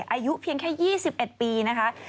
อายุเพียงแค่๒๑ปีนะคะ